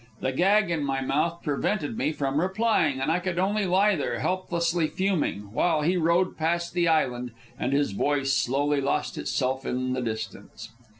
The gag in my mouth prevented me from replying, and I could only lie there, helplessly fuming, while he rowed past the island and his voice slowly lost itself in the distance.